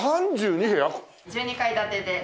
１２階建てで。